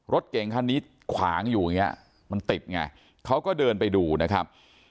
รถเก่งคันนี้ขวางอยู่อย่างเงี้ยมันติดไงเขาก็เดินไปดูนะครับ